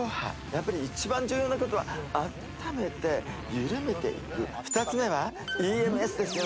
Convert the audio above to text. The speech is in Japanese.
やっぱり一番重要なことはあっためて緩めていく２つ目はＥＭＳですよね